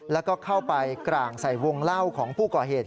แล้วก็เข้าไปกร่างใส่วงเล่าของผู้ก่อเหตุ